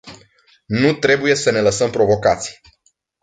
Nu trebuie să ne lăsăm provocați.